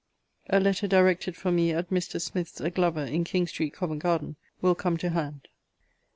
A letter directed for me, at Mr. Smith's, a glover, in King street, Covent garden, will come to hand.